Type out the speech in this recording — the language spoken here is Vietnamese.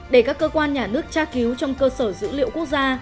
để các cơ quan nhà nước tra cứu trong cơ sở dữ liệu quốc gia